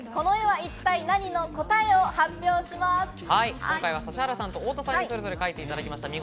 今回は指原さんと太田さんに描いていただきました。